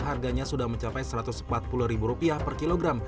harganya sudah mencapai rp satu ratus empat puluh per kilogram